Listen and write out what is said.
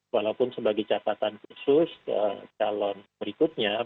walaupun sebagai catatan khusus calon berikutnya